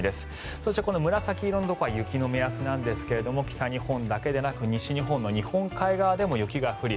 そして、紫色のところは雪の目安なんですが北日本だけでなく西日本の日本海側でも雪が降り